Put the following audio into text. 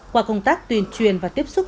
qua công tác tuyên truyền và tiếp xúc